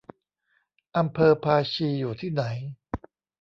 อำเภอภาชีอยู่ที่ไหน